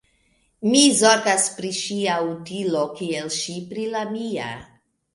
Mi zorgas pri ŝia utilo kiel ŝi pri la mia.